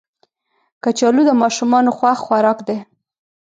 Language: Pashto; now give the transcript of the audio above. کچالو د ماشومانو خوښ خوراک دی